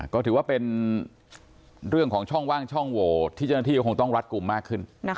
ก็ถือว่าเป็นเรื่องของช่องว่างช่องโหวที่เจ้าหน้าที่ก็คงต้องรัดกลุ่มมากขึ้น